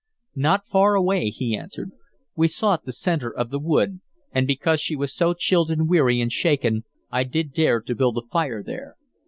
"Not far away," he answered. "We sought the centre of the wood, and because she was so chilled and weary and shaken I did dare to build a fire there.